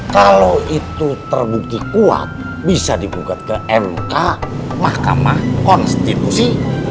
kalau itu terbukti kuat bisa digugat ke mk mahkamah konstitusi